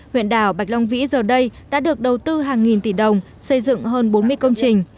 huyện đảo bạch long vĩ giờ đây đã được đầu tư hàng nghìn tỷ đồng xây dựng hơn bốn mươi công trình